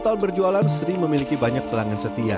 tiga puluh tahun berjualan sering memiliki banyak pelanggan setia